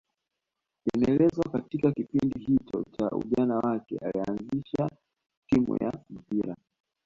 Inaelezwa katika kipindi hicho cha ujana wake alianzisha timu ya mpira